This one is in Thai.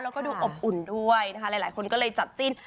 แล้วก็ดูอบอุ่นด้วยนะคะหลายคนก็เลยจับจิ้น